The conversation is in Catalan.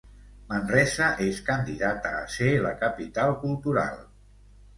Manresa és candidata a ser la capital cultural.